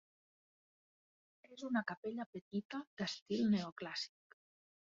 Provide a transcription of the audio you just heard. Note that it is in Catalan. És una capella petita, d'estil neoclàssic.